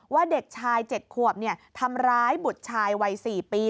เด็กชาย๗ขวบทำร้ายบุตรชายวัย๔ปี